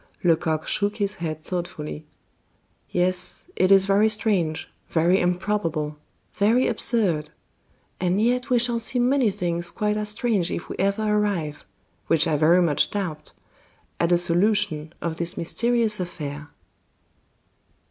Lecoq shook his head thoughtfully. "Yes, it is very strange, very improbable, very absurd. And yet we shall see many things quite as strange if we ever arrive which I very much doubt at a solution of this mysterious affair."